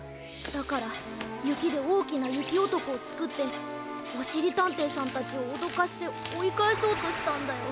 だからゆきでおおきなゆきおとこをつくっておしりたんていさんたちをおどかしておいかえそうとしたんだよ。